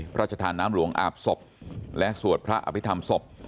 พระราชทานน้ำหลวงอาบศพและสวดพระอภิษฐรรมศพ